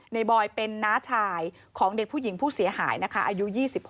บอยเป็นน้าชายของเด็กผู้หญิงผู้เสียหายนะคะอายุ๒๖